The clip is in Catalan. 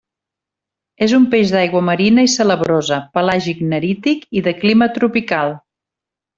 És un peix d'aigua marina i salabrosa, pelàgic-nerític i de clima tropical.